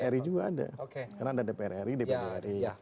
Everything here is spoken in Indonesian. ri juga ada karena ada dpr ri dpd ri